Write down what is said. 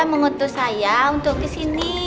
mengutus saya untuk kesini